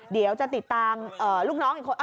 เดี๋ยวจะติดตามลูกน้องอีกคน